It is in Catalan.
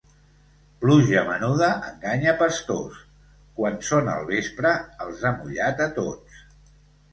Pluja menuda enganya pastors; quan són al vespre els ha mullat a tots.